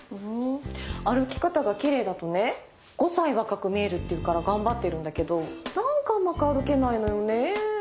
歩き方がきれいだとね５歳若く見えるっていうから頑張ってるんだけどなんかうまく歩けないのよね。